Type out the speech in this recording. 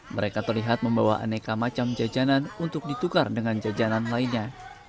mereka terlihat membawa aneka macam jajanan untuk ditukar dengan jajanan lainnya